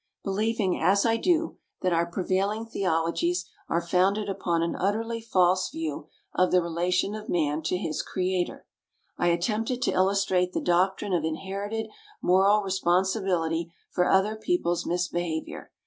Believing, as I do, that our prevailing theologies are founded upon an utterly false view of the relation of man to his Creator, I attempted to illustrate the doctrine of inherited moral responsibility for other people's misbehavior.